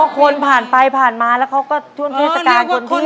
คนผ่านไปผ่านมาแล้วเขาก็ท่วมเทศกาลคนที่